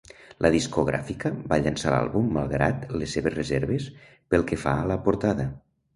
La discogràfica va llançar l'àlbum malgrat les seves reserves pel que fa a la portada.